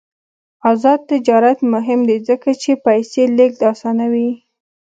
آزاد تجارت مهم دی ځکه چې پیسې لیږد اسانوي.